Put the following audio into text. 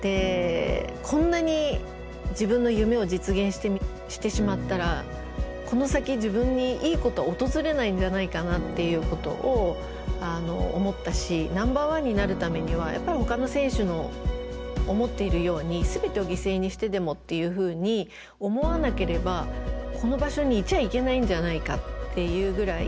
こんなに自分の夢を実現してしまったらこの先自分にいいことは訪れないんじゃないかなっていうことを思ったしナンバーワンになるためにはやっぱりほかの選手の思っているように全てを犠牲にしてでもっていうふうに思わなければこの場所に居ちゃいけないんじゃないかっていうぐらい